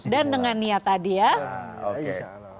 dan dengan niat tadi ya